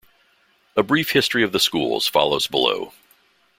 A brief history of the schools follows below.